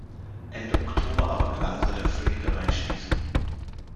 Ende Oktober aber gelang seine völlige Einschließung.